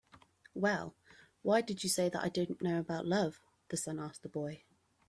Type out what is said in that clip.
"Well, why did you say that I don't know about love?" the sun asked the boy.